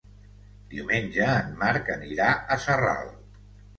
Diumenge en Marc anirà a Sarral.